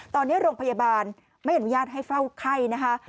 ตอนนี้โรงพยาบาลไม่อนุญาตให้เฝ้าไข้นะคะ